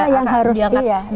kita yang harus diangkat